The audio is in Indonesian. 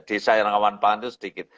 desa yang rawan pangan itu sedikit